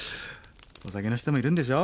お酒の人もいるんでしょ？